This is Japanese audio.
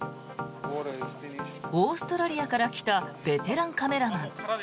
オーストラリアから来たベテランカメラマン。